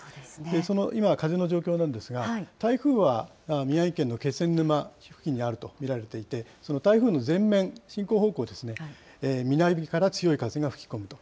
その今、風の状況なんですが、台風は宮城県の気仙沼付近にあると見られていて、その台風の前面、進行方向ですね、南から強い風が吹き込むと。